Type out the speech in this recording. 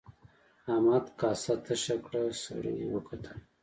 احمد کاسه تشه کړه سړي وکتل.